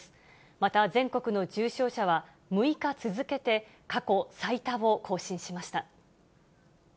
また全国の重症者は、６日続けて過去最多を更新しました。